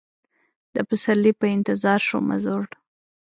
د پسرلي په انتظار شومه زوړ